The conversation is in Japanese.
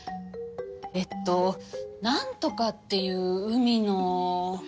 えっとなんとかっていう海の。